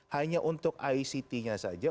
hanya untuk ict nya saja